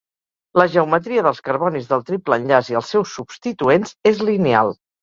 La geometria dels carbonis del triple enllaç i els seus substituents és lineal.